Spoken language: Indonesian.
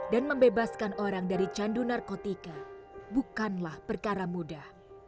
dan membebaskan orang dari candu narkotika bukanlah perkara mudah